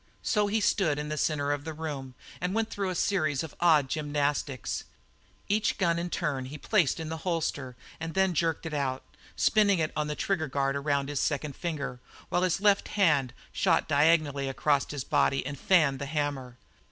So he stood in the centre of the room and went through a series of odd gymnastics. Each gun in turn he placed in the holster and then jerked it out, spinning it on the trigger guard around his second finger, while his left hand shot diagonally across his body and "fanned" the hammer.